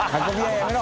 やめろ！